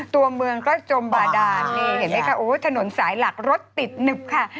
ตัวเมืองก็จมบาดานนี่เห็นไหมคะโอ้ยถนนสายหลักรถติดหนึบค่ะ